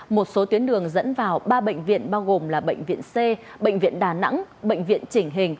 một số tuyến đường dẫn vào ba bệnh viện bao gồm là bệnh viện c bệnh viện đà nẵng bệnh viện chỉnh hình